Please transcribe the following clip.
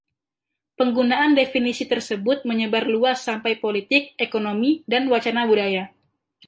Penggunaan definisi tersebut menyebar luas sampai politik, ekonomi, dan wacana budaya.